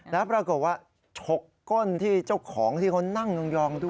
แล้วปรากฏว่าฉกก้นที่เจ้าของที่เขานั่งยองด้วย